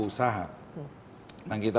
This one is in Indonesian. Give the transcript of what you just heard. usaha nah kita